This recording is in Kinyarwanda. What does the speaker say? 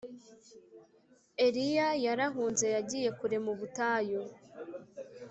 Eliya yarahunze Yagiye kure mu butayu